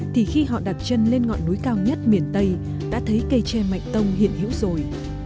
thì khi họ đặt chân lên ngọn núi cao nhất miền tây đã thấy cây tre mạnh tông hiện hữu rồi